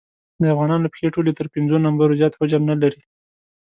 د افغانانو پښې ټولې تر پېنځو نمبرو زیات حجم نه لري.